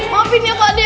maafin ya pak d